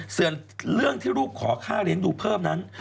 ส่วนเรื่องที่ลูกขอค่าเลี้ยงดูเพิ่มนั้น